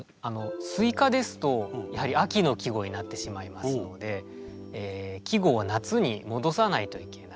「スイカ」ですとやはり秋の季語になってしまいますので季語は夏に戻さないといけない。